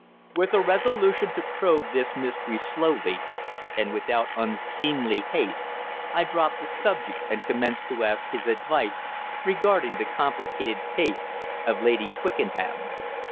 With a resolution to probe this mystery slowly, and without unseemly haste, I dropped the subject, and commenced to ask his advice regarding the complicated case of Lady Twickenham.